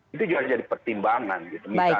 itu juga harus jadi pertimbangan gitu